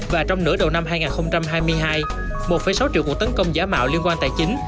và trong nửa đầu năm hai nghìn hai mươi hai một sáu triệu cuộc tấn công giả mạo liên quan tài chính